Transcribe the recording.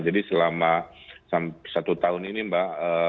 jadi selama satu tahun ini mbak